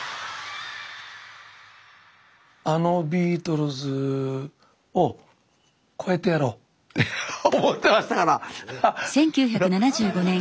あのビートルズを超えてやろうって思ってましたから。